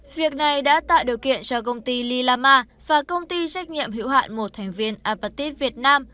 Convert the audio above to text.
việc này đã tạo điều kiện cho công ty lilama và công ty trách nhiệm hữu hạn một thành viên apatit việt nam